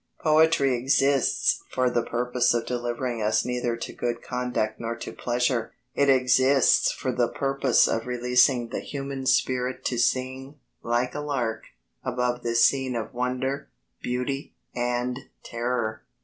Poetry exists for the purpose of delivering us neither to good conduct nor to pleasure. It exists for the purpose of releasing the human spirit to sing, like a lark, above this scene of wonder, beauty and terror.